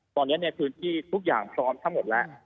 ตอนนี้พื้นที่ทุกอย่างพร้อมทั้งหมดแล้ว